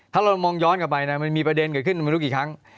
ถ้าเรามองย้อนกลับไปนะมันมีประเด็นเกิดขึ้นไม่รู้กี่ครั้ง